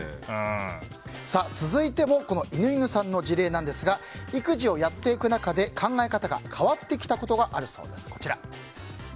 続いても犬犬さんの事例なんですが育児をやっていく中で考え方が変わってきたことがあるそうです。